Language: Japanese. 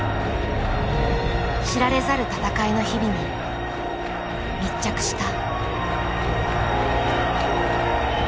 知られざる闘いの日々に密着した。